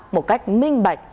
một cách minh bạch